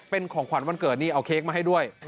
เป็นของขวัญวันเกิดนี่เอาเค้กมาให้ด้วย